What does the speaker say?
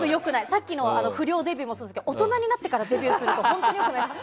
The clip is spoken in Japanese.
さっきの不良デビューもそうですけど大人になってからデビューすると本当に良くないです。